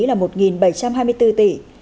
là một bảy trăm hai mươi bốn tỷ